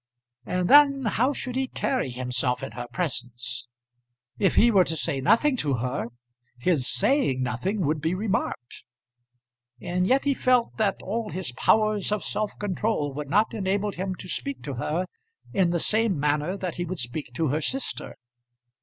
And then, how should he carry himself in her presence? If he were to say nothing to her, his saying nothing would be remarked; and yet he felt that all his powers of self control would not enable him to speak to her in the same manner that he would speak to her sister.